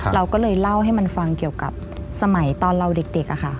เราก็เลยเล่าให้มันฟังเกี่ยวกับสมัยตอนเราเด็ก